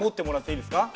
いいですか？